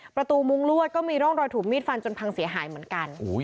มุ้งลวดก็มีร่องรอยถูกมีดฟันจนพังเสียหายเหมือนกัน